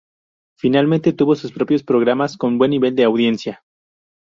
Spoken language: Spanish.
Finalmente tuvo sus propios programas con buen nivel de audiencia.